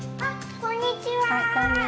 こんにちは。